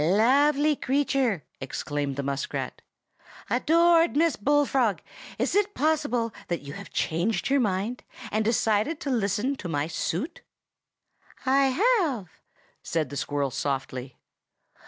"Lovely creature!" exclaimed the muskrat. "Adored Miss Bullfrog, is it possible that you have changed your mind, and decided to listen to my suit?" "'Oh, rapture!' cried the muskrat." "I have," said the squirrel softly.